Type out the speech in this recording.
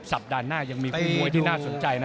สัปดาห์หน้ายังมีคู่มวยที่น่าสนใจนะ